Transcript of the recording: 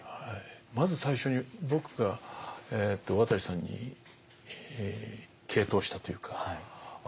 まず最初に僕が渡さんに傾倒したというかあ